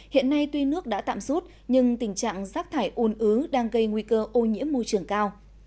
hiện nay tuy nước đã tạm rút nhưng tình trạng rác thải ôn ứ đang gây nguy cơ ô nhiễm môi trường cao